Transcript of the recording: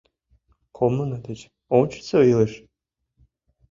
Коммуна деч ончычсо илыш?!